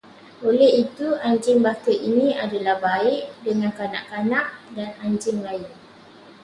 Oleh itu, anjing baka ini adalah baik dengan kanak-kanak dan anjing lain